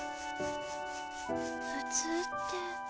普通って？